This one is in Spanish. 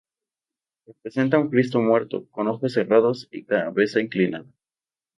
Representa a un cristo muerto, con ojos cerrados y cabeza inclinada.